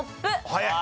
早い！